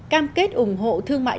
cam kết ủng hộ thương mại